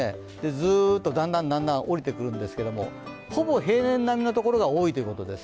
ずっとだんだんだんだん下りてくるんですけど、ほぼ平年並みのところが多いということです。